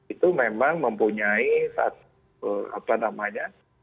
itu memang mempunyai satu apa namanya